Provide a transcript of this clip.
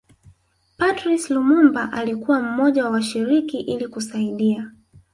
Patrice Lumumba alikuwa mmoja wa washiriki ili kusaidia